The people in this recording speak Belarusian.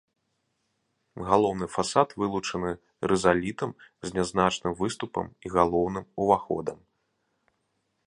Галоўны фасад вылучаны рызалітам з нязначным выступам і галоўным уваходам.